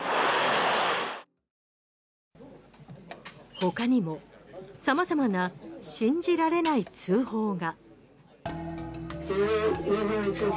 他にも様々な信じられない通報が。